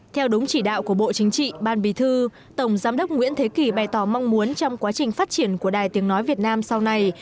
theo đúng chỉ đạo của bộ chính trị ban bí thư tổng giám đốc nguyễn thế kỳ bày tỏ mong muốn trong quá trình phát triển của đài tiếng nói việt nam sau này